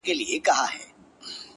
حالات چي سوزوي” ستا په لمن کي جانانه”